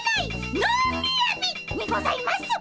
ノーみやびにございます。